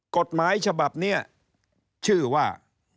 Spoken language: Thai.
กฎหมายฉบับนี้ชื่อว่า